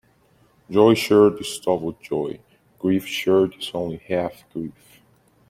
Joy shared is double joy; grief shared is only half grief.